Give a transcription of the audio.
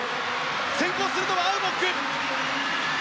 先行するのはアウボック！